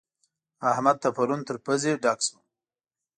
احمد ته پرون تر پزې ډک شوم.